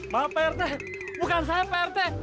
maaf pak rt bukan saya pak rt